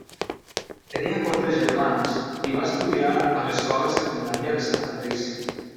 Tenia quatre germans i va estudiar a l'escola secundària de Sant Patrici.